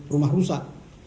enam puluh rumah rusak